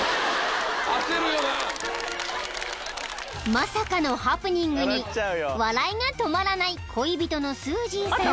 ［まさかのハプニングに笑いが止まらない恋人のスージーさん］